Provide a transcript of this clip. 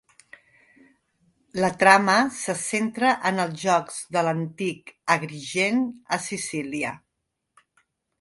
La trama se centra en els jocs a l'antic Agrigent, a Sicília.